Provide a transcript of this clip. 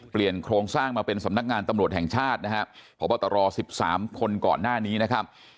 โครงสร้างมาเป็นสำนักงานตำรวจแห่งชาตินะครับพบตร๑๓คนก่อนหน้านี้นะครับ